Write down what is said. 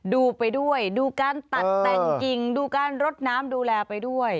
ดูไปด้วยดูการตัดแต่งกิ่งดูการรดน้ำดูแลไปด้วย